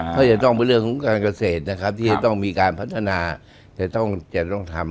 ก็จะต้องเป็นเรื่องของการเกษตรนะครับที่จะต้องมีการพัฒนาจะต้องทำ